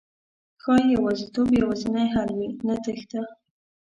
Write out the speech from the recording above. ښایي يوازېتوب یوازېنی حل وي، نه تېښته